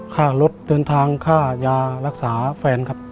ค่ารถเดินทางค่ายารักษาแฟนครับ